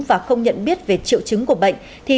và không nhận biết về triệu chứng của bệnh